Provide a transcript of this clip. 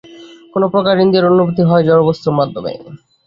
কোন প্রকার ইন্দ্রিয়ের অনুভূতি হয় জড়বস্তুর মাধ্যমে।